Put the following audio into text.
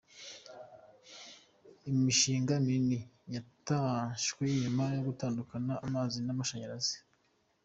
Imishinga minini yatashwe nyuma yo gutandukanya amazi n’amashanyarazi.